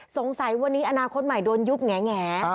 สงสัยวันนี้อนาคตใหม่โดนยุบแง